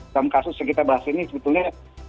dalam kasus yang kita bahas ini sebetulnya